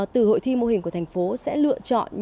từ hội thi mô hình của thành phố sẽ lựa chọn